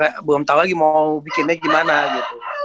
abis itu belum tau lagi mau bikinnya gimana gitu